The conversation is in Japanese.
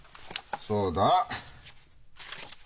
そうだ。